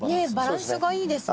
バランスがいいですね。